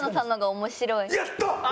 やった！